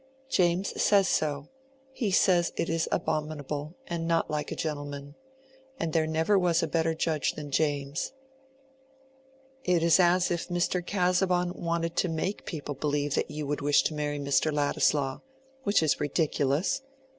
"James says so. He says it is abominable, and not like a gentleman. And there never was a better judge than James. It is as if Mr. Casaubon wanted to make people believe that you would wish to marry Mr. Ladislaw—which is ridiculous.